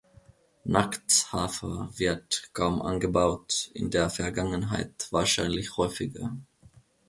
Nackt-Hafer wird kaum angebaut, in der Vergangenheit wahrscheinlich häufiger.